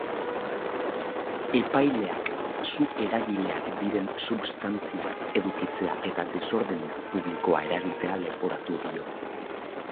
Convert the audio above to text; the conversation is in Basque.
Epaileak su-eragileak diren substantziak edukitzea eta desordena publikoa eragitea leporatu dio.